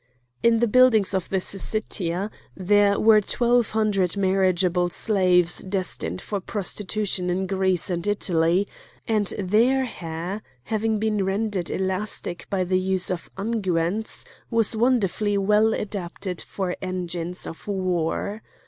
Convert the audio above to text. In the buildings of the Syssitia there were twelve hundred marriageable slaves destined for prostitution in Greece and Italy, and their hair, having been rendered elastic by the use of unguents, was wonderfully well adapted for engines of war.